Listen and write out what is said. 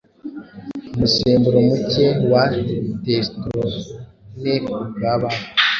umusemburo muke wa testosterone ku bana